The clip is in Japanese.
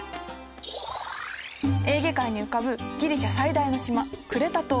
エーゲ海に浮かぶギリシャ最大の島クレタ島。